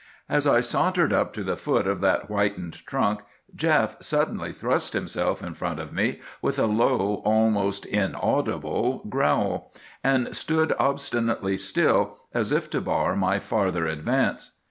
"As I sauntered up to the foot of that whitened trunk, Jeff suddenly thrust himself in front of me with a low, almost inaudible growl, and stood obstinately still, as if to bar my farther advance.